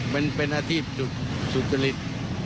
มันเป็นอธิบสุจริต